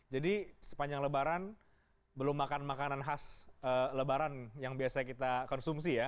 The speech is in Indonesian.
jadi sepanjang lebaran belum makan makanan khas lebaran yang biasa kita konsumsi ya